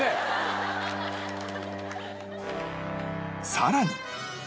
さらに！